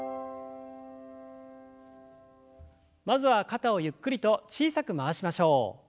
まずは肩をゆっくりと小さく回しましょう。